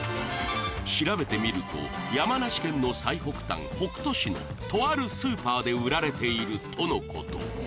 調べてみると山梨県の最北端北杜市のとあるスーパーで売られているとのこと